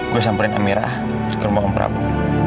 gue samperin amirah ke rumah om prabu